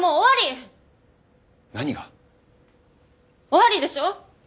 終わりでしょ？